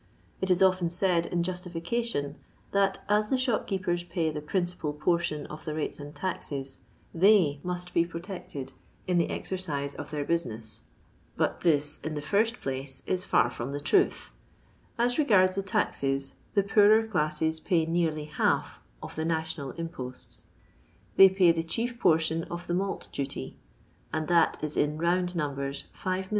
It is often said, in justification, that as the shopkeepers pay the principal portion of the rates and taxes, they must be protected m the exercise of their business. But this, in f *^ LONDON LABOUR AND THE LONDON POOR. firtt place, is far from the truth. As regards the taxes, the poorer classes pay nearly half of the national imposts : they pay the chief portion of the malt duty, and that is in round nimibers 5,000,000